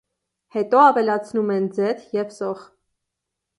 Հետո ավելացնում են ձեթ և սոխ։